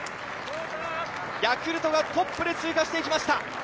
ヤクルトがトップで通過していきました。